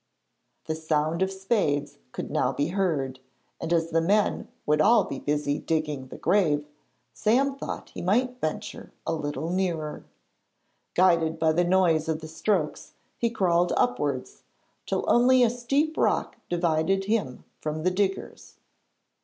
The sound of spades could now be heard, and as the men would all be busy digging the grave, Sam thought he might venture a little nearer. Guided by the noise of the strokes he crawled upwards, till only a steep rock divided him from the diggers.